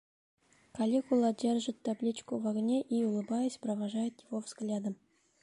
Калигула держит табличку в огне и, улыбаясь, провожает его взглядом.